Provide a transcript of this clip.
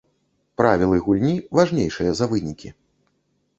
Правілы гульні важнейшыя за вынікі.